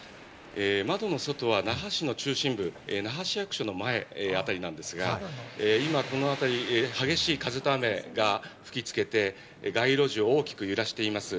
窓の外は那覇市の中心部、那覇市役所の前あたりなんですが、今この辺り、激しい風と雨が吹き付けて街路地を大きく揺らしています。